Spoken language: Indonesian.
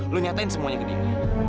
lu nyatain semuanya ke diri